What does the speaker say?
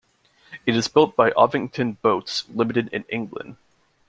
It is built by Ovington Boats Limited in England.